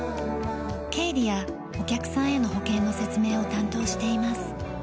経理やお客さんへの保険の説明を担当しています。